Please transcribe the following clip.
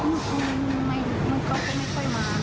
มันก็ไม่ค่อยมา